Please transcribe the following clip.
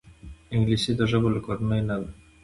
انګلیسي د ژبو له کورنۍ نه ده